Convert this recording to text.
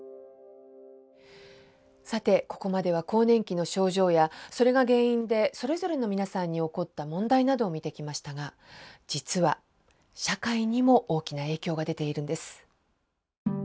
さてここまでは更年期の症状やそれが原因でそれぞれの皆さんに起こった問題などを見てきましたが実は社会にも大きな影響が出ているんです。